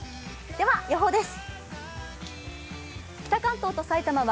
では予報です。